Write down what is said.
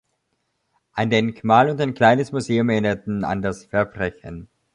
Ein Denkmal und ein kleines Museum erinnerten an das Verbrechen.